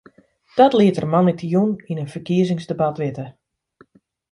Dat liet er moandeitejûn yn in ferkiezingsdebat witte.